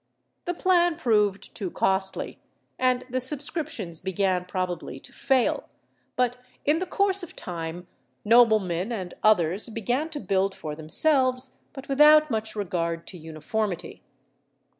The plan proved too costly, and the subscriptions began probably to fail; but in the course of time noblemen and others began to build for themselves, but without much regard to uniformity.